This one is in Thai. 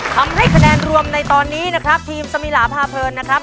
คะแนนรวมในตอนนี้นะครับทีมสมิลาพาเพลินนะครับ